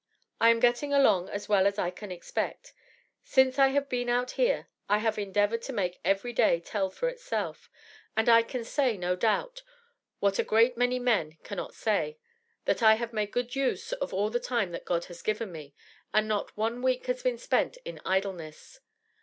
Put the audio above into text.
I am getting along as well as I can expect. Since I have been out here, I have endeavored to make every day tell for itself, and I can say, no doubt, what a great many men cannot say, that I have made good use of all the time that God has given me, and not one week has been spent in idleness.